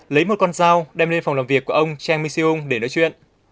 lấy một con dao đem lên phòng làm việc của ông chen mingxiong để nói chuyện